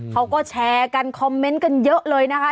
เขาก็แชร์กันคอมเมนต์กันเยอะเลยนะคะ